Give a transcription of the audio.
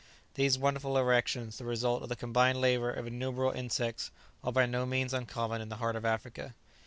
These wonderful erections, the result of the combined labour of innumerable insects, are by no means uncommon in the heart of Africa.